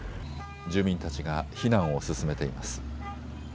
住民たちが避難を進めています。